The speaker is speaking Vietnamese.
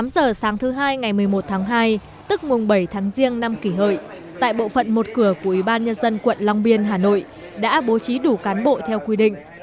tám giờ sáng thứ hai ngày một mươi một tháng hai tức mùng bảy tháng riêng năm kỷ hợi tại bộ phận một cửa của ủy ban nhân dân quận long biên hà nội đã bố trí đủ cán bộ theo quy định